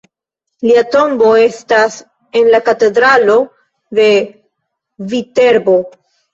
Lia tombo estas en la katedralo de Viterbo.